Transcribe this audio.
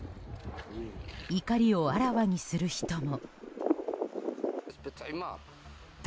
怒りをあらわにする人も。